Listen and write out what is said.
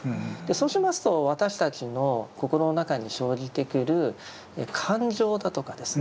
そうしますと私たちの心の中に生じてくる感情だとかですね